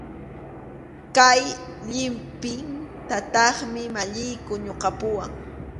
Kay llipintataqmi maqlliyku ñuqapuwan.